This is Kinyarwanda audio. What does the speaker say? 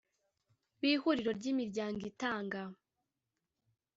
b Ihuriro ry Imiryango itanga